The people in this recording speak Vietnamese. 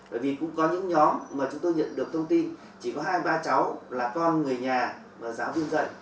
bởi vì cũng có những nhóm mà chúng tôi nhận được thông tin chỉ có hai ba cháu là con người nhà và giáo viên dạy